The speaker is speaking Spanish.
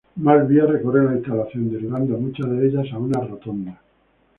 Más vías recorren las instalaciones derivando muchas de ellas a una rotonda.